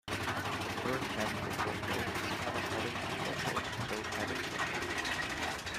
The current head football coach is former college football coach Joe Hadachek.